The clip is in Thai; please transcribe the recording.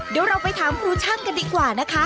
เดี๋ยวเราไปถามครูช่างกันดีกว่านะคะ